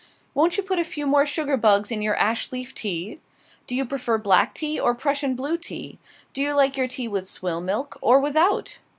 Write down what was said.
"Won't you put a few more sugar bugs in your ash leaf tea?" "Do you prefer black tea, or Prussian blue tea?" "Do you like your tea with swill milk, or without?"